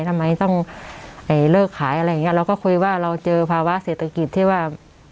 ทำไมต้องเลิกขายอะไรอย่างเงี้เราก็คุยว่าเราเจอภาวะเศรษฐกิจที่ว่า